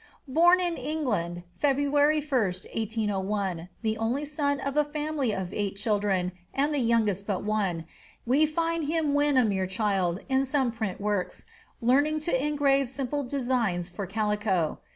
Born in England, Feb. 1, 1801, the only son in a family of eight children, and the youngest but one, we find him when a mere child, in some print works, learning to engrave simple designs for calico.